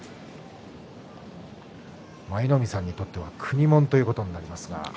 舞の海さんにとっては国もんということになりますね。